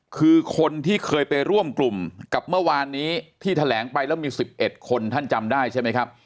คือคนที่เคยไปร่วมกลุ่มกับเมื่อวานนี้ที่แถลงไปแล้วมี๑๑คนท่านจำได้ใช่ไหมครับ